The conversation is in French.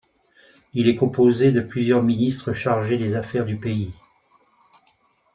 Il est composé de plusieurs ministres chargés des affaires du pays.